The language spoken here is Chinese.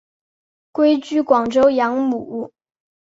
归居广州养母。